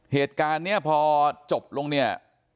เหตุการณ์นี้พอจบลงเนี่ย